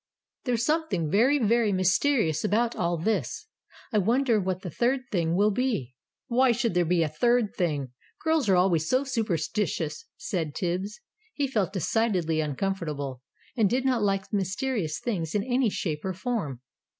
"There's something very, very mysterious about all this. I wonder what the third thing will be." "Why should there be a 'third thing'? Girls are always so superstitious!" said Tibbs. He felt decidedly uncomfortable, and did not like mysterious things in any shape or form.